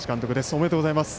おめでとうございます。